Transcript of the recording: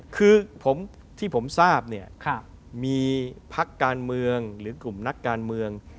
คือที่ผมทราบเนี่ยมีพักการเมืองหรือกลุ่มนักการเมือง